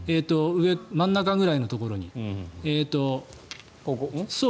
真ん中ぐらいのところに。